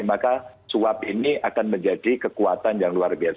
maka suap ini akan menjadi kekuatan yang luar biasa